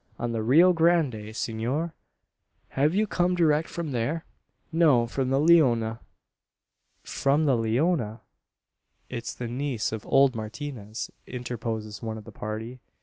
"On the Rio Grande, senor?" "Have you come direct from there?" "No; from the Leona." "From the Leona!" "It's the niece of old Martinez," interposes one of the party.